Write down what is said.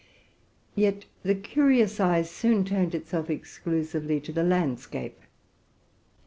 Yet the curious eye soon turned itself exclusively to the landscape.